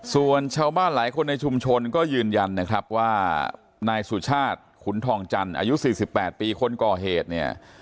ส่วนชาวบ้านหลายคนในชุมชนก็ยืนยันนะครับว่านายสุชาติขุนทองจันทร์อายุ๔๘ปีคนก่อเหตุเนี่ย